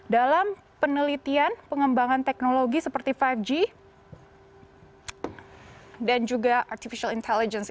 dalam penelitian pengembangan teknologi seperti lima g dan juga artificial intelligence